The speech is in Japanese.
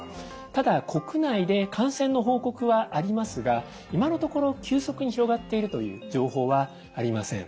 ただ国内で感染の報告はありますが今のところ急速に広がっているという情報はありません。